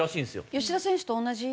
吉田選手と同じ？